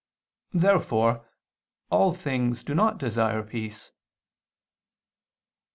Therefore all things do not desire peace.